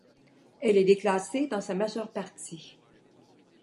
Elle est déclassée dans sa majeure partie.